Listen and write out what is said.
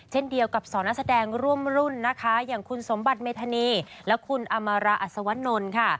เช่นเดียวกับสองนักแสดงร่วมรุ่นนะคะอย่างคุณสมบัติเมธานีและคุณอามาราอัศวนลค่ะ